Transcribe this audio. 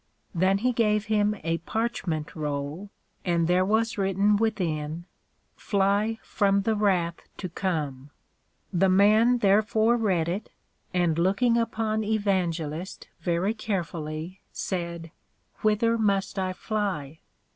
Then he gave him a Parchment roll, and there was written within, Fly from the wrath to come. The Man therefore read it, and looking upon Evangelist very carefully, said, Whither must I fly?